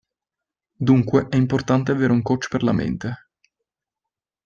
Dunque è importante avere un coach per la mente.